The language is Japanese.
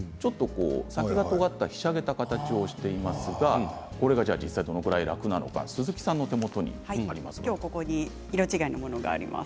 先がとがったひしゃげた形をしていますが実際どのぐらい楽なのか色違いのものがあります。